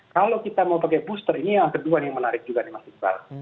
kalau kita mau pakai booster ini yang kedua yang menarik juga nih mas iqbal